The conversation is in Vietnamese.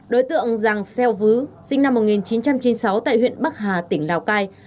đối tượng giàng xeo vứ sinh năm một nghìn chín trăm chín mươi sáu tại huyện bắc hà tỉnh lào cai